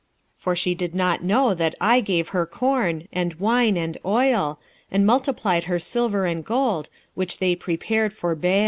2:8 For she did not know that I gave her corn, and wine, and oil, and multiplied her silver and gold, which they prepared for Baal.